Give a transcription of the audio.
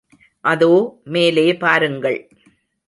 அதோ, மேலே பாருங்கள்.